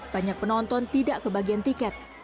banyak penonton tidak kebagian tiket